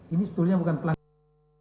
ini sebetulnya bukan pelan pilan